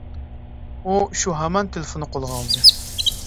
ئۇ شۇ ھامان تېلېفوننى قولىغا ئالدى.